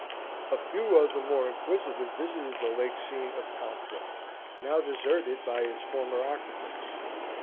A few of the more inquisitive visited the late scene of conflict, now deserted by its former occupants.